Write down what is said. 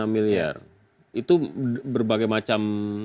lima enam milyar itu berbagai macam kasus